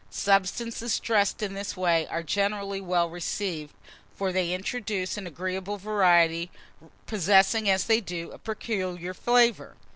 Substances dressed in this way are generally well received, for they introduce an agreeable variety, possessing, as they do, a peculiar flavour.